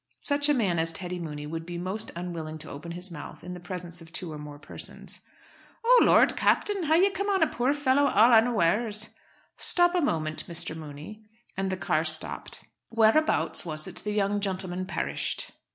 Such a man as Teddy Mooney would be most unwilling to open his mouth in the presence of two or more persons. "O Lord, Captain, how you come on a poor fellow all unawares!" "Stop a moment, Mr. Mooney," and the car stopped. "Whereabouts was it the young gentleman perished?"